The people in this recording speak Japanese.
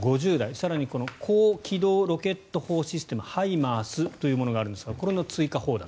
更に高機動ロケット砲システムＨＩＭＡＲＳというものがあるんですがこれの追加砲弾。